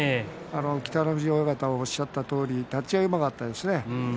北の富士親方が言ったように立ち合いがうまかったですね。